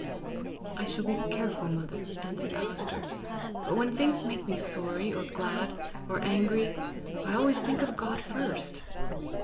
"I shall be careful, mother," answered Alister; "but when things make me sorry, or glad, or angry, I always think of God first!"